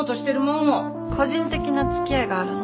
個人的なつきあいがあるの？